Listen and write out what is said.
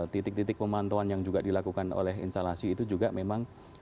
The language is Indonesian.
titik titik pemantauan yang juga dilakukan oleh instalasi itu juga memang